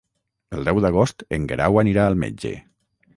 El deu d'agost en Guerau anirà al metge.